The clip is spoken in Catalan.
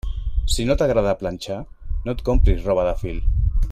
Si no t'agrada planxar, no et compris roba de fil.